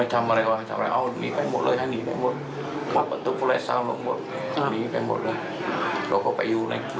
ฮันทำร้าย